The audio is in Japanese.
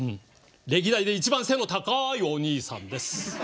歴代で一番背の高い、おにいさんです。